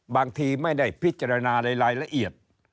บางทีไม่ได้พิจารณารายละเอียด